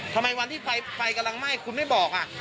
ทำไมวันที่ไฟกำลังไหม้คุณไม่บอก